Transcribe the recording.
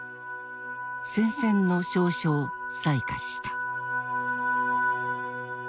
宣戦の詔書を裁可した。